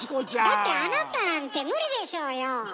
だってあなたなんて無理でしょうよ！